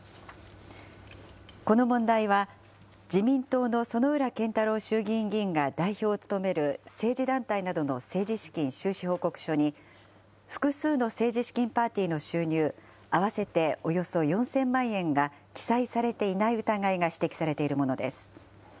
この問題は、自民党の薗浦健太郎衆議院議員が代表を務める政治団体などの政治資金収支報告書に、複数の政治資金パーティーの収入合わせておよそ４０００万円が記載されていない疑いが指摘されているものです。